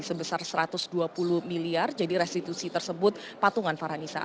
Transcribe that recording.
sebesar satu ratus dua puluh miliar jadi restitusi tersebut patungan farhanisa